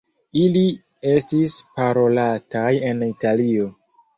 Ili estis parolataj en Italio.